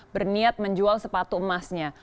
berniat menjual sepatu emasnya